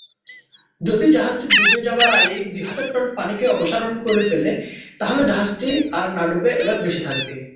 যদি জাহাজটি ডুবে যাবার আগেই দুই হাজার টন পানিকে অপসারণ করে ফেলে তাহলে জাহাজটি আর না ডুবে এবার ভেসে থাকবে।